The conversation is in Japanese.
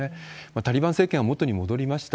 タリバン政権は元に戻りました。